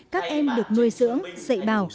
các em được nuôi dưỡng dạy bào